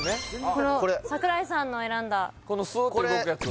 この櫻井さんの選んだこのスーッと動くやつ